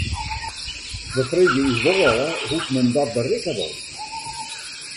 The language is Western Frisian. We freegje ús wol ôf hoe't men dat berikke wol.